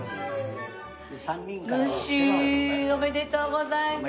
ムッシュおめでとうございます。